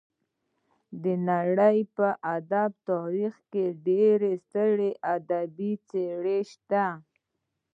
د نړۍ په ادبي تاریخ کې ډېرې سترې ادبي څېرې شته.